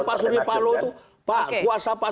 pak suryapalo itu pak kuasa pak